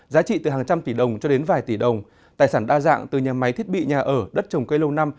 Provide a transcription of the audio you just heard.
giá trị từ hàng trăm tỷ đồng cho đến vài tỷ đồng tài sản đa dạng từ nhà máy thiết bị nhà ở đất trồng cây lâu năm